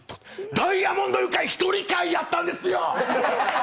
ダイアモンド☆ユカイ１人回やったんですよ！